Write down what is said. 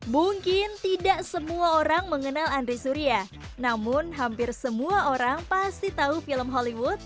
mungkin tidak semua orang mengenal andre surya namun hampir semua orang pasti tahu film hollywood